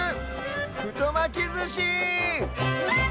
ふとまきずし！